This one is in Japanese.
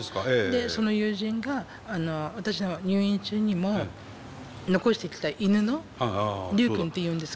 でその友人が私の入院中にも残してきた犬のリュウ君っていうんですけど。